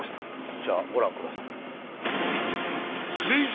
じゃあご覧ください